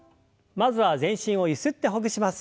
まずは全身をゆすってほぐします。